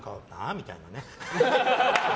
みたいなね。